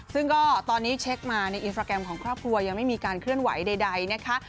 ซึ่งก็ตอนนี้เช็คมาในอินสตราแกรมของครอบครัวยังไม่มีการเคลื่อนไหวใดนะคะ